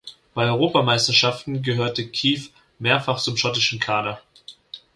Bei Europameisterschaften gehörte Keith mehrfach zum schottischen Kader.